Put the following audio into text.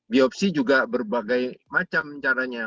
biopsi juga berbagai macam caranya